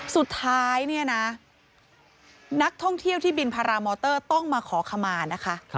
สุดท้ายเนี่ยนะนักท่องเที่ยวที่บินพารามอเตอร์ต้องมาขอขมานะคะ